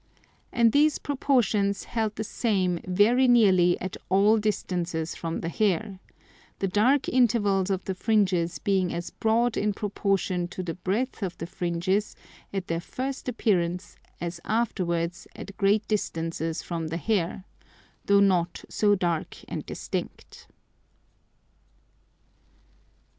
And these Proportions held the same very nearly at all distances from the Hair; the dark Intervals of the Fringes being as broad in proportion to the breadth of the Fringes at their first appearance as afterwards at great distances from the Hair, though not so dark and distinct.